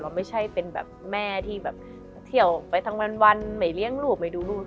ไม่ใช่เป็นแบบแม่ที่แบบเที่ยวไปทั้งวันไม่เลี้ยงลูกไม่ดูลูก